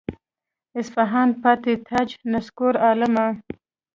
اصفهان پاتې تاج نسکور عالمه.